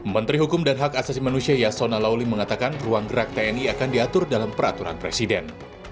menteri hukum dan hak asasi manusia yasona lauli mengatakan ruang gerak tni akan diatur dalam peraturan presiden